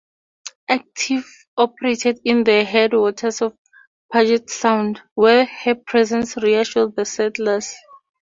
"Active" operated in the headwaters of Puget Sound, where her presence reassured the settlers.